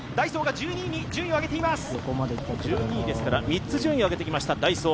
１２位ですから３つ順位を上げてきましたダイソー。